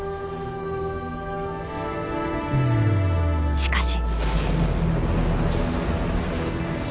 しかし。